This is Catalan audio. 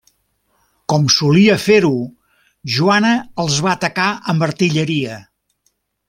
Com solia fer-ho, Joana els va atacar amb artilleria.